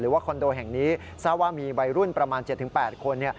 คอนโดแห่งนี้ทราบว่ามีวัยรุ่นประมาณ๗๘คน